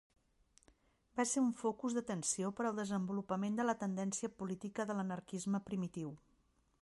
Va ser un focus d'atenció per al desenvolupament de la tendència política de l'anarquisme primitiu.